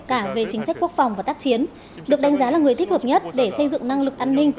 cả về chính sách quốc phòng và tác chiến được đánh giá là người thích hợp nhất để xây dựng năng lực an ninh